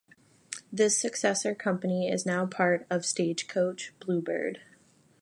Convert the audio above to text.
This successor company is now a part of Stagecoach Bluebird.